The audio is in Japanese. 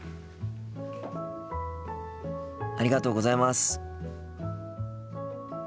ありがとうございます。